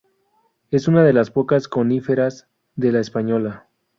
Es una de las pocas coníferas de la Española.